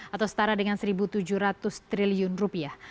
atau setara dengan satu tujuh ratus triliun rupiah